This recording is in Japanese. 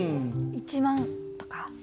１万とか？